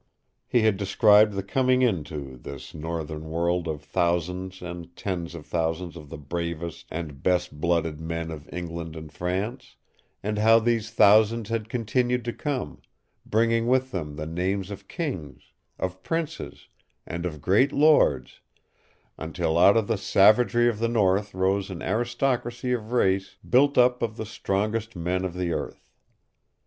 He had described the coming into this northern world of thousands and tens of thousands of the bravest and best blooded men of England and France, and how these thousands had continued to come, bringing with them the names of kings, of princes, and of great lords, until out of the savagery of the north rose an aristocracy of race built up of the strongest men of the earth.